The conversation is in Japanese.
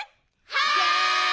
はい！